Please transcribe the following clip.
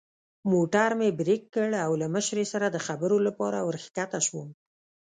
موټر مې برېک کړ او له مشرې سره د خبرو لپاره ور کښته شوم.